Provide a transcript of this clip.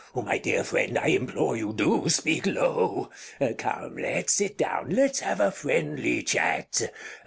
My dear friend, I implore you, do speak low! Come, let's sit down, let's have a friendly chat.